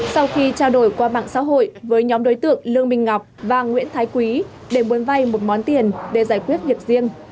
sau khi trao đổi qua mạng xã hội với nhóm đối tượng lương minh ngọc và nguyễn thái quý để muốn vay một món tiền để giải quyết việc riêng